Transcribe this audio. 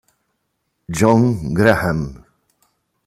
John Graham